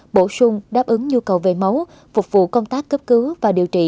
bổ sung đáp ứng nhu cầu về máu phục vụ công tác cấp cứu và điều trị